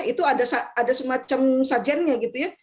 itu ada semacam sajennya gitu ya